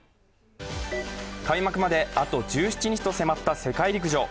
開幕まであと１７日と迫った世界陸上。